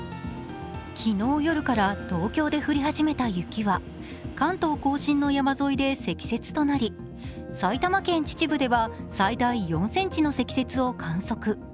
昨日夜から東京で降り始めた雪は関東甲信の山沿いで積雪となり埼玉県秩父では最大４ｃｍの積雪を観測。